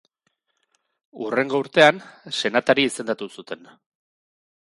Hurrengo urtean, senatari izendatu zuten.